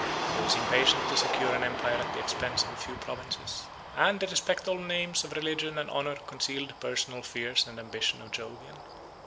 He was impatient to secure an empire at the expense of a few provinces; and the respectable names of religion and honor concealed the personal fears and ambition of Jovian.